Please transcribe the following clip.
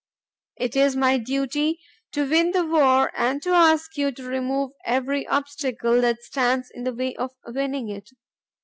It is my duty to win the war and to ask you to remove every obstacle that stands in the way of winning it.